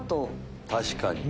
確かに。